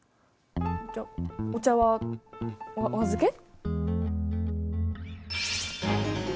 じゃあお茶はおあずけ？